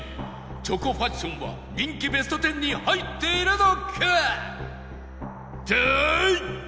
チョコファッションは人気ベスト１０に入っているのか！？